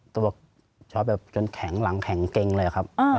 แก่พาพุทธไปจนแข็งหลังแข็งเกรงเลยครับ